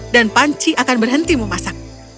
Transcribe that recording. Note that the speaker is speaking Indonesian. dan panci akan berhenti memasak